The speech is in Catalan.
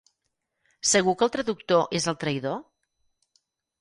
Segur que el traductor és el traïdor?